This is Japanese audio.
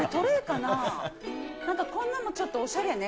なんか、こんなのちょっとおしゃれね。